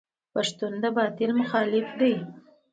پښتون د باطل مخالف دی.